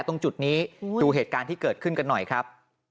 ตรงจุดนี้ดูเหตุการณ์ที่เกิดขึ้นกันหน่อยครับ